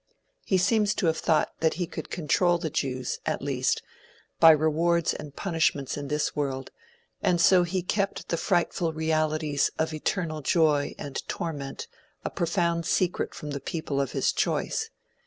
He seems to have thought that he could control the Jews, at least, by rewards and punishments in this world, and so he kept the frightful realities of eternal joy and torment a profound secret from the people of his choice.